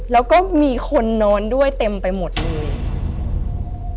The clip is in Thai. แล้วก็มีคนนอนด้วยเต็มไปหมดเลย